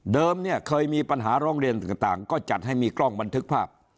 เนี่ยเคยมีปัญหาร้องเรียนต่างก็จัดให้มีกล้องบันทึกภาพ